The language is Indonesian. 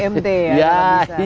menyaingi gmt ya